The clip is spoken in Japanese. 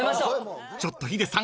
［ちょっとヒデさん